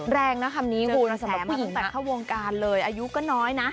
แรงนะคำนี้คุณสำหรับผู้หญิงตัดเข้าวงการเลยอายุก็น้อยนะ